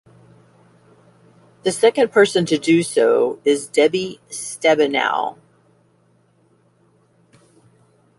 The second person to do so is Debbie Stabenow.